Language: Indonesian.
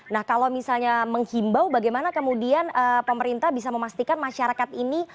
nah kalau misalnya menghimbau bagaimana kemudian pemerintah bisa memastikan masyarakat ini